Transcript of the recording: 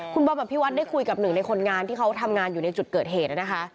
คุณบอมอภิวัตได้คุยกับหนึ่งในคนงานที่เขาทำงานอยู่ในจุดเกิดเหตุนะคะ